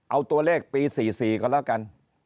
เอาตัวเลขปี๔๔ก่อนแล้วกัน